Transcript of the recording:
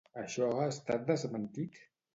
Això ha estat desmentit?